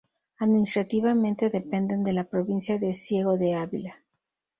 Administrativamente dependen de la provincia de Ciego de Ávila.